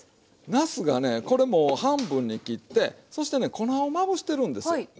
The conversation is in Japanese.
なすがねこれもう半分に切ってそしてね粉をまぶしてるんですよ。